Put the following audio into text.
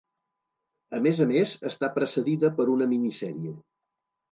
A més a més està precedida per una minisèrie.